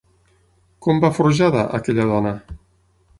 Com va forjada, aquella dona?